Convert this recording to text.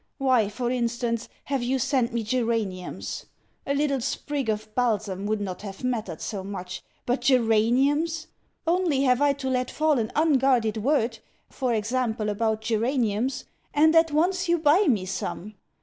Why, for instance, have you sent me geraniums? A little sprig of balsam would not have mattered so much but geraniums! Only have I to let fall an unguarded word for example, about geraniums and at once you buy me some!